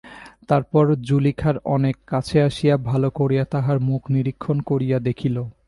তার পর জুলিখার অনেক কাছে আসিয়া ভালো করিয়া তাহার মুখ নিরীক্ষণ করিয়া দেখিল।